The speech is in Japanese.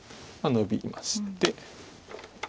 ノビまして。